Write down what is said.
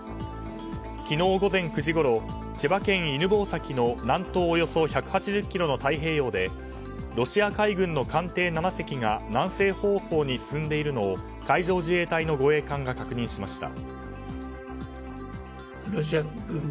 昨日午前９時ごろ千葉県犬吠埼の南東およそ１８０ｋｍの太平洋でロシア海軍の艦艇７隻が南西方向に進んでいるのを海上自衛隊の護衛艦が確認しました。